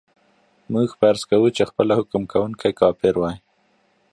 موږ فرض کوو چې خپله حکم کوونکی کافر وای.